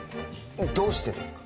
どうしてですか？